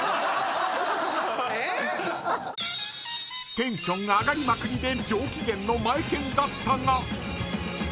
［テンション上がりまくりで上機嫌のマエケンだったが］